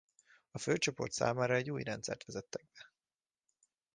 A főcsoport számára egy új rendszert vezettek be.